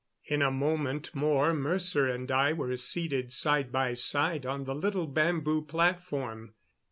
In a moment more Mercer and I were seated side by side on the little bamboo platform.